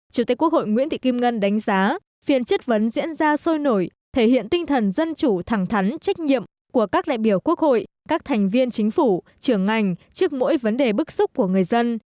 chủ tịch quốc hội nguyễn thị kim ngân đánh giá phiên chất vấn diễn ra sôi nổi thể hiện tinh thần dân chủ thẳng thắn trách nhiệm của các đại biểu quốc hội các thành viên chính phủ trưởng ngành trước mỗi vấn đề bức xúc của người dân